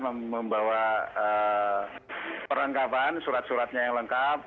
membawa perlengkapan surat suratnya yang lengkap